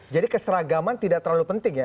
jadi keseragaman tidak terlalu penting ya